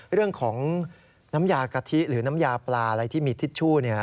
เรื่องของน้ำยากะทิหรือน้ำยาปลาอะไรที่มีทิชชู่